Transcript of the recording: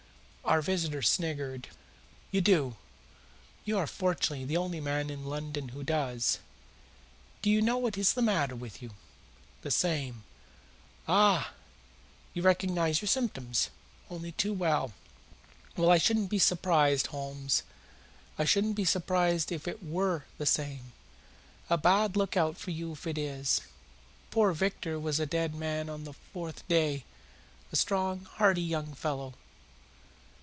Our visitor sniggered. "You do. You are, fortunately, the only man in London who does. Do you know what is the matter with you?" "The same," said Holmes. "Ah! You recognize the symptoms?" "Only too well." "Well, I shouldn't be surprised, Holmes. I shouldn't be surprised if it WERE the same. A bad lookout for you if it is. Poor Victor was a dead man on the fourth day a strong, hearty young fellow.